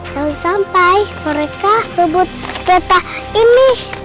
jangan sampai mereka kebut peta ini